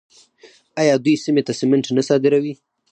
آیا دوی سیمې ته سمنټ نه صادروي؟